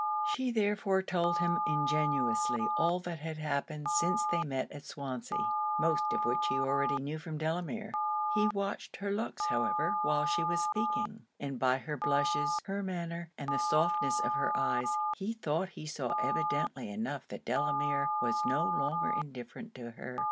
She therefore told him ingenuously all that had happened since they met at Swansea; most of which he already knew from Delamere. He watched her looks however while she was speaking; and by her blushes, her manner, and the softness of her eyes, he thought he saw evidently enough that Delamere was no longer indifferent to her.